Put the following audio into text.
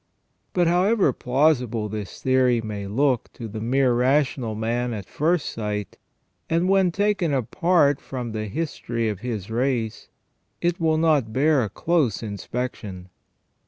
But however plausible this theory may look to the mere rational man at first sight, and when taken apart from the history of his race, it will not bear a close inspec tion.